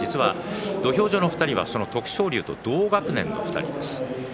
土俵上の２人は徳勝龍と同学年の２人です。